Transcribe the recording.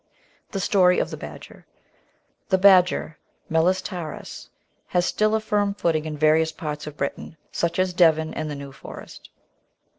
The Story of the Badger The Badger (Meles taaus) has still a firm footing in various parts of Britain, such as Devon and the New Forest.